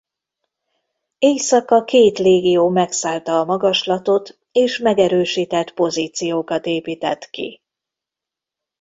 Éjszaka két légió megszállta a magaslatot és megerősített pozíciókat épített ki.